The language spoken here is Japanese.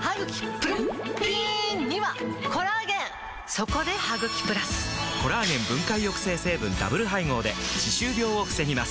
そこで「ハグキプラス」！コラーゲン分解抑制成分ダブル配合で歯周病を防ぎます